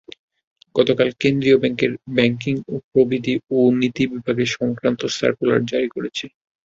গতকাল কেন্দ্রীয় ব্যাংকের ব্যাংকিং প্রবিধি ও নীতি বিভাগ এ-সংক্রান্ত সার্কুলার জারি করেছে।